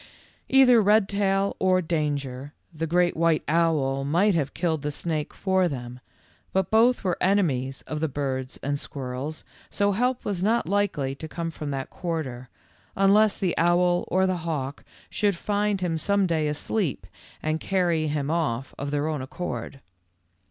Either Redtail or Danger, the great white owl, might have killed the snake for them, but both were enemies of the birds and squirrels, so help was not likely to come from that quarter, unless the owl or the hawk should find him some day asleep and carry him off of their own accord.